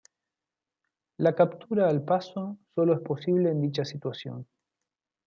La captura al paso solo es posible en dicha situación.